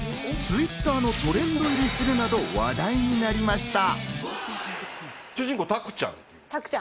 Ｔｗｉｔｔｅｒのトレンド入りをするなど話題になりました。